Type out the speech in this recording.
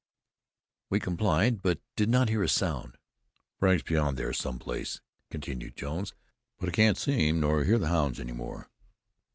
We complied, but did not hear a sound. "Frank's beyond there some place," continued Jones, "but I can't see him, nor hear the hounds anymore.